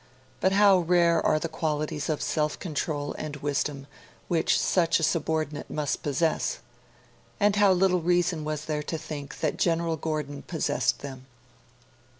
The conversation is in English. But how rare are the qualities of self control and wisdom which such a subordinate must possess! And how little reason there was to think that General Gordon possessed them!